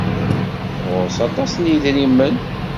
Ɣur-s aṭas n yedrimen.